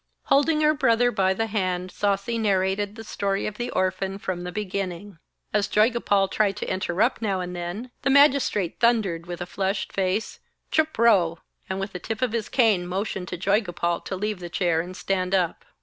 Holding her brother by the hand, Sasi narrated the history of the orphan from the beginning. As Joygopal tried to interrupt now and then, the Magistrate thundered with a flushed face, 'Chup rao,' and with the tip of his cane motioned to Joygopal to leave the chair and stand up.